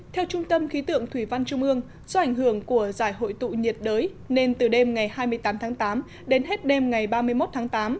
theo trung tâm khí tượng thủy văn trung ương do ảnh hưởng của giải hội tụ nhiệt đới nên từ đêm ngày hai mươi tám tháng tám đến hết đêm ngày ba mươi một tháng tám